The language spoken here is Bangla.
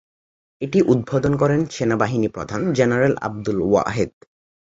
এটি উদ্বোধন করেন সেনাবাহিনী প্রধান জেনারেল আবদুল ওয়াহেদ।